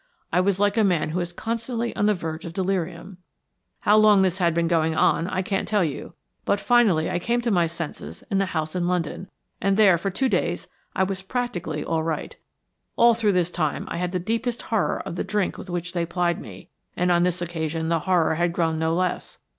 I was like a man who is constantly on the verge of delirium. How long this had been going on I can't tell you, but finally I came to my senses in the house in London, and there for two days I was practically all right. All through this time I had the deepest horror of the drink with which they plied me, and on this occasion the horror had grown no less.